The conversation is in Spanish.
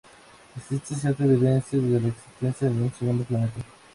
Existe cierta evidencia de la existencia de un segundo planeta.